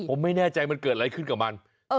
ผมไม่แน่ใจมันเกิดอะไรขึ้นกับมัน